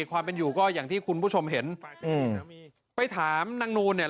ความเป็นอยู่ก็อย่างที่คุณผู้ชมเห็นอืมไปถามนางนูนเนี่ย